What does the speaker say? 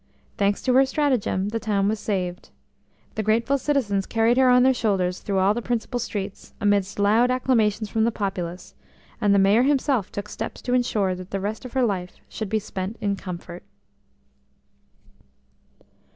Thanks to her stratagem, the town was saved. The grateful citizens carried her on their shoulders through all the principal streets, amidst loud acclamations from the populace, and the Mayor himself took steps to ensure that the rest of her life should be spent in comfort.